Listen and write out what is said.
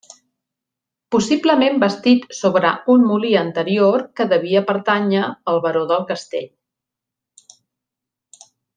Possiblement bastit sobre un molí anterior que devia pertànyer al baró del castell.